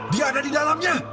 dia ada di dalamnya